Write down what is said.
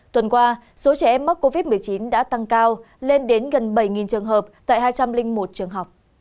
tuần qua số trẻ em mắc covid một mươi chín đã tăng cao lên đến gần bảy trường hợp tại hai trăm linh một trường học